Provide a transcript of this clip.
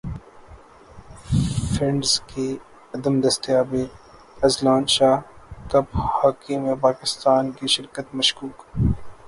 funds کی عدم دستیابی اذلان شاہ کپ ہاکی میں پاکستان کی شرکت مشکوک